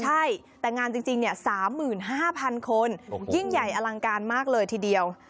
ใช่แต่งานจริง๓๕๐๐๐คนยิ่งใหญ่อลังการมากเลยทีเดียว